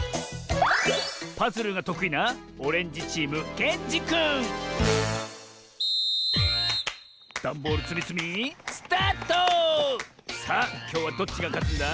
パズルがとくいなダンボールつみつみさあきょうはどっちがかつんだ？